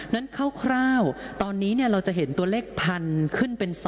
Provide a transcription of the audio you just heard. นั้นคร่าวตอนนี้เนี่ยเราจะเห็นตัวเลขพันขึ้นเป็น๒๐๐๐